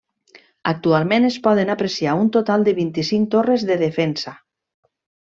Actualment es poden apreciar un total de vint-i-cinc torres de defensa.